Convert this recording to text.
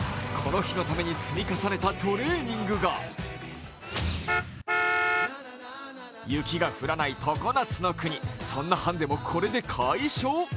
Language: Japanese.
この日のために積み重ねたトレーニングが雪が降らないココナツの国、そんなハンデもこれで解消。